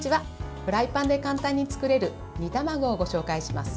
フライパンで簡単に作れる煮卵をご紹介します。